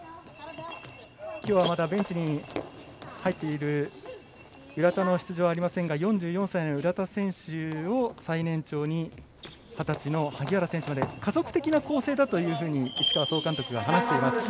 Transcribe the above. きょうはまだベンチに入っている浦田の出場はありませんが４４歳の浦田選手を最年長に二十歳の萩原選手まで家族的な構成だと市川総監督が話しています。